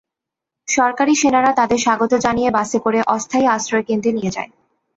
সরকারি সেনারা তাদের স্বাগত জানিয়ে বাসে করে অস্থায়ী আশ্রয়কেন্দ্রে নিয়ে যায়।